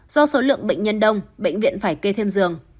do số lượng bệnh nhân đông bệnh viện phải kê thêm giường